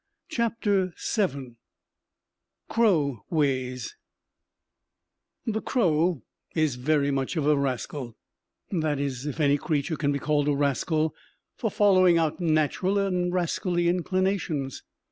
CROW WAYS. The crow is very much of a rascal that is, if any creature can be called a rascal for following out natural and rascally inclinations.